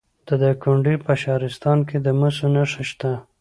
د دایکنډي په شهرستان کې د مسو نښې شته.